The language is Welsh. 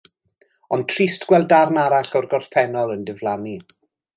Ond trist gweld darn arall o'r gorffennol yn diflannu.